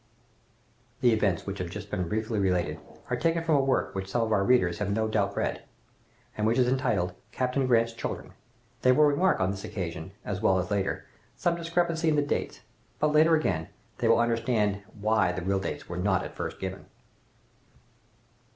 (The events which have just been briefly related are taken from a work which some of our readers have no doubt read, and which is entitled, "Captain Grant's children." They will remark on this occasion, as well as later, some discrepancy in the dates; but later again, they will understand why the real dates were not at first given.)